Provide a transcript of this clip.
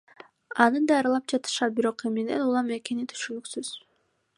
Аны даарылап жатышат, бирок эмнеден улам экени түшүнүксүз.